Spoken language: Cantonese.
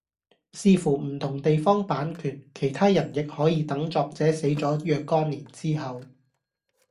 視乎唔同地方版權其他人亦可以等作者死咗若干年之後